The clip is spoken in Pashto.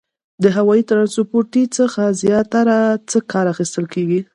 د هوایي ترانسپورتي څخه زیاتره څه کار اخیستل کیږي؟